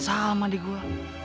sama di gua